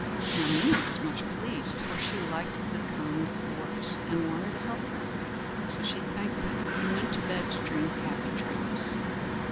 Now Minnie was much pleased, for she liked the kind dwarfs, and wanted to help them, so she thanked them, and went to bed to dream happy dreams.